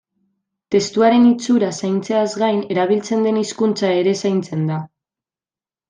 Testuaren itxura zaintzeaz gain, erabiltzen den hizkuntza ere zaintzen da.